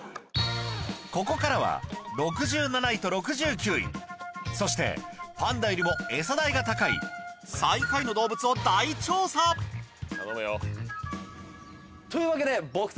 ここからは６７位と６９位そしてパンダよりもエサ代が高い最下位の動物を大調査！という訳で。